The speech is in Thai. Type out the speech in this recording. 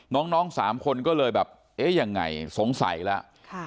น้องสามคนก็เลยแบบเอ๊ะยังไงสงสัยแล้ว